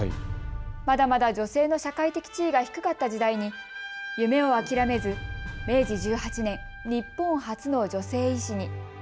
まだまだ女性の社会的地位が低かった時代に夢を諦めず明治１８年、日本初の女性医師に。